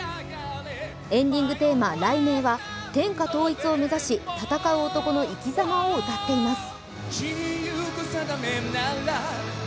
エンディングテーマ「雷鳴」は天下統一を目指し、戦う男の生きざまを歌っています。